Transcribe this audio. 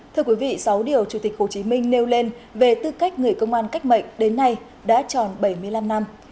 thưa quý vị sáu điều chủ tịch hồ chí minh nêu lên về tư cách người công an cách mệnh đến nay đã tròn bảy mươi năm năm